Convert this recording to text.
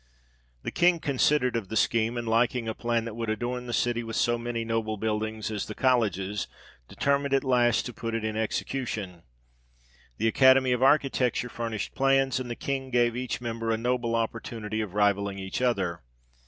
The King considered of the scheme, and liking a plan that would adorn the city with so many noble buildings as the colleges, determined at FOUNDATION OF THE UNIVERSITY. 95 last to put it in execution. The Academy of Architecture furnished plans, and the King gave each member a noble opportunity of rivalling each other.